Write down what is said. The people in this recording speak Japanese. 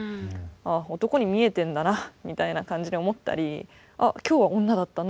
「ああ男に見えてんだな」みたいな感じに思ったり「あ今日は女だった。